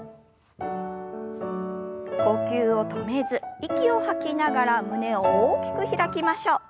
呼吸を止めず息を吐きながら胸を大きく開きましょう。